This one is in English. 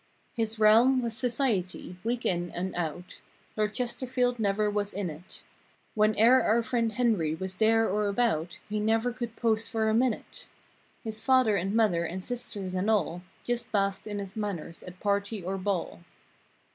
His realm was "society" week in and out, Lord Chesterfield never was in it When e'er our friend Henry was there or about. He never could pose for a minute. His father and mother and sisters and all Just basked in his manners at party or ball.